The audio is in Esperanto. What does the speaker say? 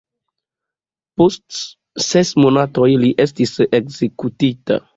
Post ses monatoj li estis ekzekutita.